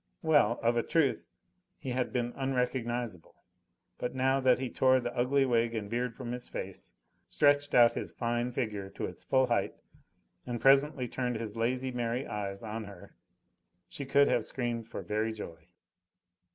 Well, of a truth he had been unrecognisable, but now that he tore the ugly wig and beard from his face, stretched out his fine figure to its full height, and presently turned his lazy, merry eyes on her, she could have screamed for very joy.